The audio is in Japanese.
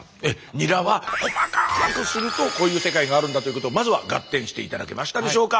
ニラは細かくするとこういう世界があるんだということまずはガッテンして頂けましたでしょうか？